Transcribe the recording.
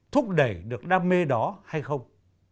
thúc đẩy được đam mê đó hay không